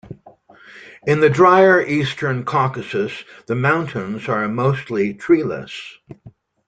In the drier Eastern Caucasus, the mountains are mostly treeless.